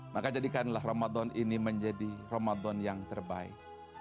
maka jadikanlah ramadhan ini menjadi ramadhan yang terbaik